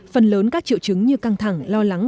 phần lớn các triệu chứng như căng thẳng lo lắng